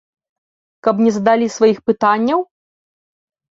Каб не задалі сваіх пытанняў?